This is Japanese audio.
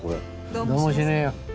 どうもしねえよ。